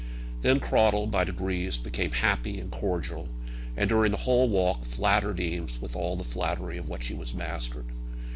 Then Cradell by degrees became happy and cordial, and during the whole walk flattered Eames with all the flattery of which he was master.